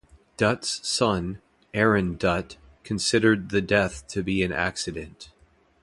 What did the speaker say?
Dutt's son, Arun Dutt, considered the death to be an accident.